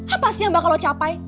apa sih yang bakal lo capai